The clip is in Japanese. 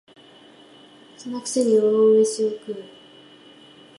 その癖に大飯を食う